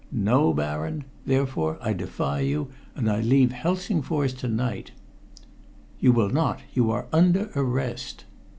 No, Baron. Therefore I defy you, and I leave Helsingfors to night." "You will not. You are under arrest."